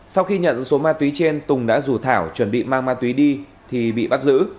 sau khi nhận số ma túy trên tùng đã rủ thảo chuẩn bị mang ma túy đi thì bị bắt giữ